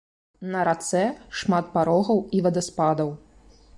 На рацэ шмат парогаў і вадаспадаў.